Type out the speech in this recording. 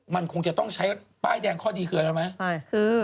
มันคงจะต้องใช้ป้ายแดงข้อดีคืออะไรไหม